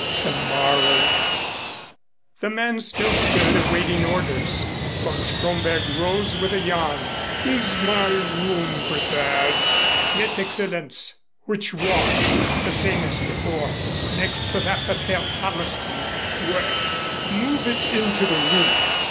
Tomorrow The man still stood awaiting orders. Von Stromberg rose with a yawn. "Is my room prepared?" "Yes, Excellenz." "Which one?" "The same as before next to that of Herr Hammersley." "Well, move it into the wing.